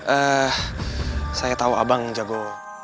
eh saya tau abang yang jago